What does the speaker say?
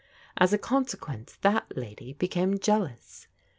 As a consequence, that lady became jealous.